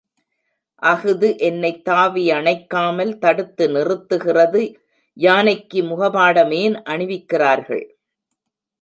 அஃது என்னைத் தாவி அணைக்காமல் தடுத்து நிறுத்துகிறது யானைக்கு முகபடாம் ஏன் அணிவிக்கிறார்கள்?